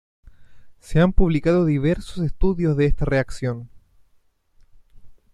Se han publicado diversos estudios de esta reacción.